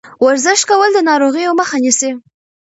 ورزش کول د ناروغیو مخه نیسي.